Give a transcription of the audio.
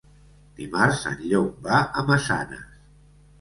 Dimarts en Llop va a Massanes.